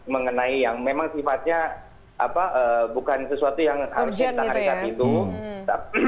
mengenai yang memang sifatnya bukan sesuatu yang harus kita hargai